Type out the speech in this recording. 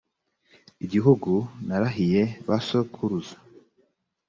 igihugu narahiye ba sokuruza